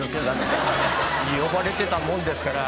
呼ばれてたもんですから。